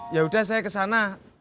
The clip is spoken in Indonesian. ya udah saya kesana